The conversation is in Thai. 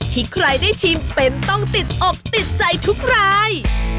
ที่ใครได้ชิมเป็นต้องติดอกติดใจทุกราย